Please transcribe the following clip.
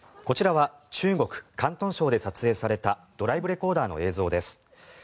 こちらは中国・広東省で撮影されたドライブレコーダーの映像です。